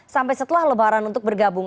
sampai setelah lebaran untuk bergabung